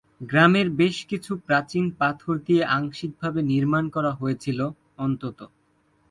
গ্রামের বেশ কিছু বাড়ি প্রাচীন পাথর দিয়ে আংশিকভাবে নির্মাণ করা হয়েছিল, অন্তত।